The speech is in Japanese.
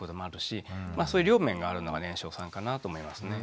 そういう両面があるのが年少さんかなと思いますね。